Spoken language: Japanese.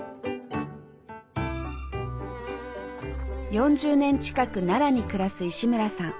４０年近く奈良に暮らす石村さん。